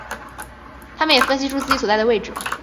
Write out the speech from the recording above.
他们也分析出自己所在的位置。